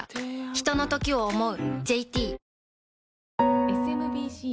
ひとのときを、想う。